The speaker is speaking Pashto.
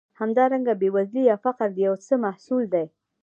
همدارنګه بېوزلي یا فقر د یو څه محصول دی.